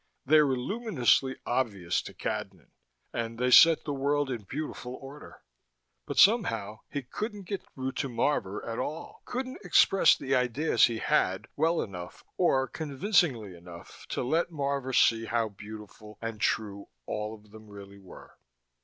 They were luminously obvious to Cadnan, and they set the world in beautiful order; but, somehow, he couldn't get through to Marvor at all, couldn't express the ideas he had well enough or convincingly enough to let Marvor see how beautiful and true all of them really were.